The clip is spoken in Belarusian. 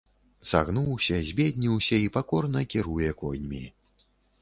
Сагнуўся, збедніўся і пакорна кіруе коньмі.